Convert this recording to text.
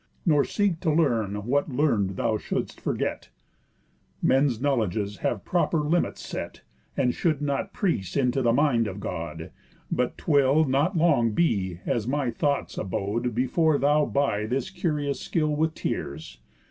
Nor seek to learn what learn'd thou shouldst forget. Men's knowledges have proper limits set, And should not prease into the mind of God. But 'twill not long be, as my thoughts abode, Before thou buy this curious skill with tears.